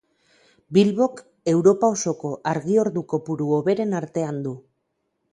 Bilbok Europa osoko argi-ordu kopuru hoberen artean du.